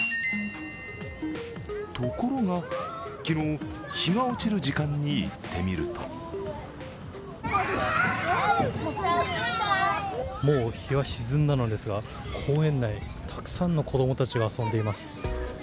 ところが、昨日、日が落ちる時間に行ってみるともう日は沈んだのですが、公園内、たくさんの子どもたちが遊んでいます。